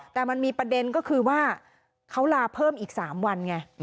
แต่มันมีประเด็นก็คือว่าเขาลาเพิ่มอีก๓วันไง